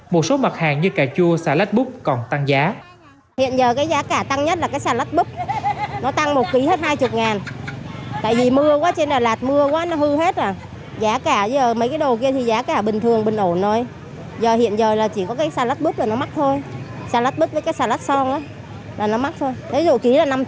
một số mặt hàng như cà chua xà lách búp còn tăng giá